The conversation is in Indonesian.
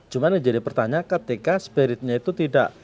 cuma yang jadi pertanyaan ketika spiritnya itu tidak